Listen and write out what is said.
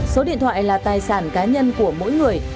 số điện thoại là tài sản cá nhân của mỗi người